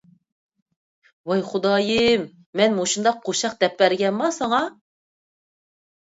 ۋاي خۇدايىم، مەن مۇشۇنداق قوشاق دەپ بەرگەنما ساڭا؟